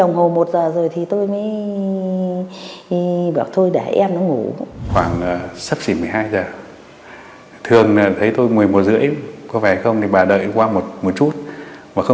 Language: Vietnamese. nhận tin báo về việc ông đỗ đinh tiệp